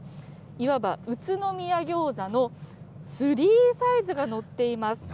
いわば宇都宮餃子のスリーサイズが載っています。